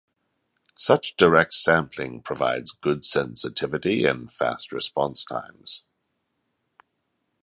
Such direct sampling provides good sensitivity and fast response times.